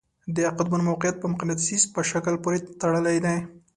د قطبونو موقیعت په مقناطیس په شکل پورې تړلی دی.